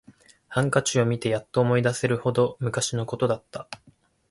ハンカチを見てやっと思い出せるほど昔のことだった